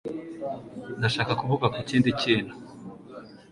Ndashaka kuvuga ku kindi kintu.